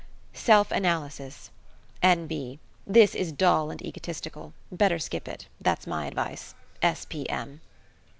SELF ANALYSIS N.B. This is dull and egotistical. Better skip it. That's my advice S. P. M.